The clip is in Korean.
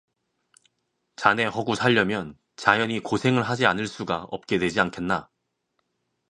자네 허구 살려면 자연히 고생을 하지 않을 수가 없게 되지 않겠나.